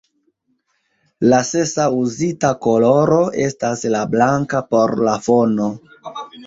La sesa uzita koloro estas la blanka por la fono.